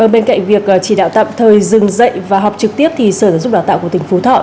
bên cạnh việc chỉ đạo tạm thời dừng dạy và học trực tiếp thì sở giáo dục đào tạo của tỉnh phú thọ